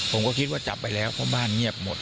ผมก็คิดว่าจับไปแล้วเพราะบ้านเงียบหมด